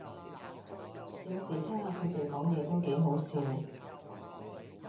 有時聽下佢哋講嘢都幾好笑